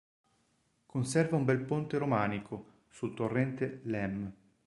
Conserva un bel ponte romanico, sul torrente Lemme.